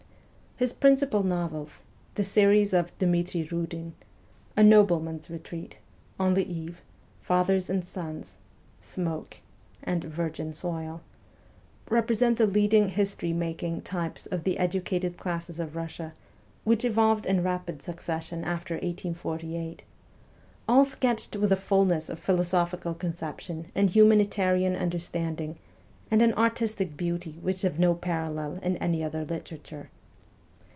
His principal novels the series of ' Dmitri Kiidin,' ' A. Nobleman's Eetreat,' ' On the Eve,' ' Fathers and Sons,' ' Smoke,' and ' Virgin Soil ' represent the leading ' history making ' types of the educated classes of Russia, which evolved in rapid succession after 1848 ; all sketched with a fulness of philosophical conception and humani tarian understanding and an artistic beauty which have no parallel in any other literature.